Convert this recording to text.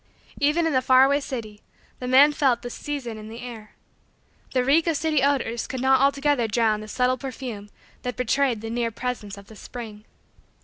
Even in the far away city, the man felt the season in the air. The reek of city odors could not altogether drown the subtle perfume that betrayed the near presence of the spring.